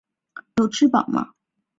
有吃饱吗？